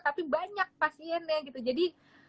tapi banyak pasiennya gitu jadi